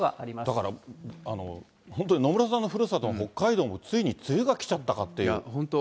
だから、本当に野村さんのふるさとの北海道もついに梅雨が来ちゃったかっいや、本当。